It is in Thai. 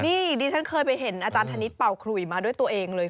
นี่ดิฉันเคยไปเห็นอาจารย์ธนิษฐ์เป่าขลุยมาด้วยตัวเองเลย